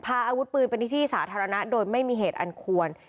พาอาวุธปืนไปในที่สาธารณะโดยไม่มีเหตุอันควร